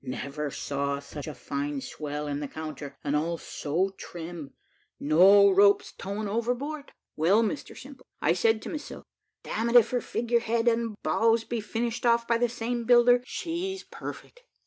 Never saw such a fine swell in the counter, and all so trim no ropes towing overboard. Well, Mr Simple, I said to myself, `Damnt it, if her figure head and bows be finished off by the same builder, she's perfect.'